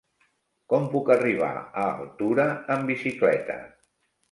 Com puc arribar a Altura amb bicicleta?